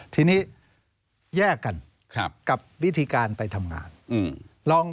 ทีนี้แยกกันกับวิธีการไปทำงาน